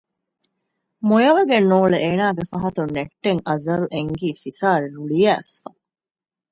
މޮޔަވެގެން ނޫޅެ އޭނާގެ ފަހަތުން ނެއްޓެން އަޒަލް އެންގީ ފިސާރި ރުޅިއައިސްފަ